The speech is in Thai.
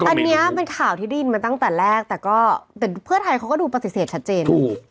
อันนี้เป็นข่าวที่ได้ยินมาตั้งแต่แรกแต่ก็แต่เพื่อไทยเขาก็ดูปฏิเสธชัดเจน